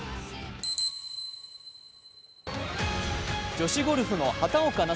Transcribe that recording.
女子ゴルフの畑岡奈